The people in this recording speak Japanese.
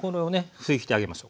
拭いてあげましょう。